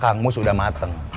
kang mus udah mateng